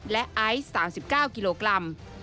และไอซ์๓๙กิโลกรัม